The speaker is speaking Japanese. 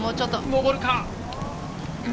上るか？